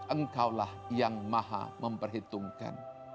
engkau lah yang maha memperhitungkan